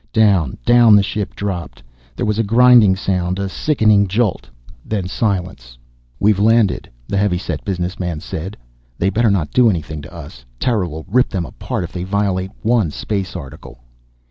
Down, down the ship dropped. There was a grinding sound, a sickening jolt. Then silence. "We've landed," the heavy set business man said. "They better not do anything to us! Terra will rip them apart if they violate one Space Article."